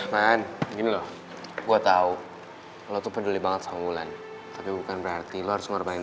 man begini loh gue tahu lo tuh peduli banget sama ulan tapi bukan berarti lo harus ngorbankan